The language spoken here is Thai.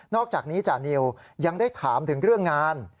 อกจากนี้จานิวยังได้ถามถึงเรื่องงาน